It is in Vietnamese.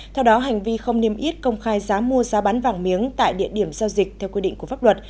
theo đó hành vi không niêm yết công khai giá mua giá bán vàng miếng tại địa điểm giao dịch theo quy định của pháp luật